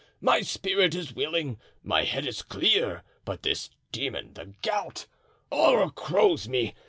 My spirit is willing, my head is clear, but this demon, the gout, o'ercrows me.